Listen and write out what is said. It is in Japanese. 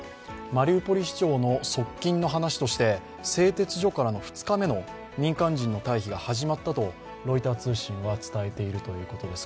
マリウポリ市長の側近の話として、製鉄所からの２日目の民間人の退避が始まったとロイター通信が伝えているということです。